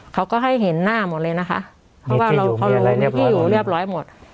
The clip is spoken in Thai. เขาก็ให้เห็นหน้าหมดเลยนะคะเพราะว่าเราเขารู้ที่อยู่เรียบร้อยหมด